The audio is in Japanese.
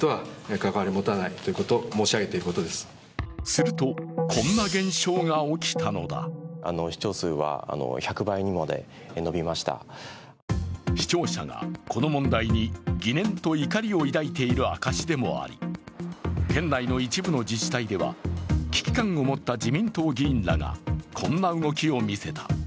すると、こんな現象が起きたのだ視聴者がこの問題に疑念と怒りを抱いている証しでもあり、県内の一部の自治体では、危機感を持った自民党議員らが、こんな動きを見せた。